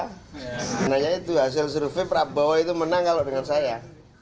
karena itu hasil survei prabowo itu menang kalau dengan saya